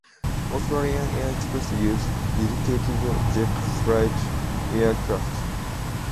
Australian air Express uses dedicated jet freight aircraft.